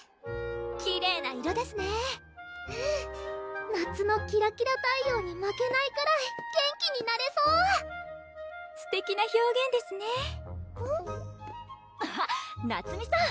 きれいな色ですねうん夏のキラキラ太陽に負けないくらい元気になれそうすてきな表現ですねあっ菜摘さん